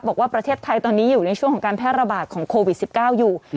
บอกว่าประเทศไทยตอนนี้อยู่ในช่วงของการแพร่ระบาดของโควิด๑๙อยู่